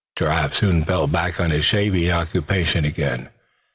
Giraffe soon fell back on his shaving occupation again.